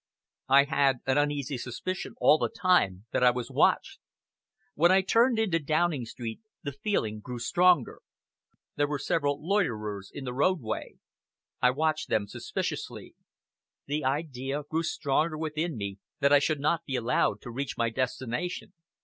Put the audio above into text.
I had an uneasy suspicion all the time that I was watched. As I turned in to Downing Street, the feeling grew stronger. There were several loiterers in the roadway. I watched them suspiciously. The idea grew stronger within me that I should not be allowed to reach my destination.